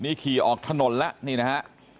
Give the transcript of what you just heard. นี่ขี่ออกถนนแล้วนี่นะฮะ